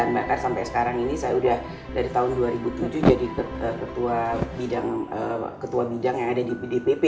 bahkan sampai sekarang ini saya udah dari tahun dua ribu tujuh jadi ketua bidang yang ada di dpp